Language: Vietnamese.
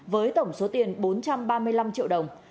với tổng số tiền bốn trăm ba mươi năm triệu đồng